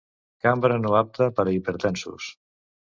Cambra no apta per a hipertensos.